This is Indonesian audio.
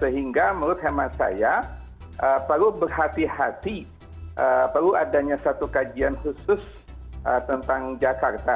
sehingga menurut hemat saya perlu berhati hati perlu adanya satu kajian khusus tentang jakarta